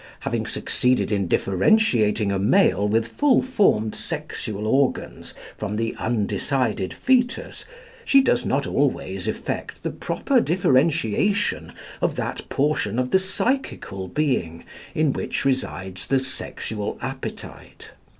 Having succeeded in differentiating a male with full formed sexual organs from the undecided fœtus, she does not always effect the proper differentiation of that portion of the psychical being in which resides the sexual appetite.